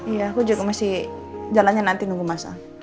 iya aku juga masih jalannya nanti nunggu mas al